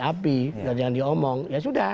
api dan jangan diomong ya sudah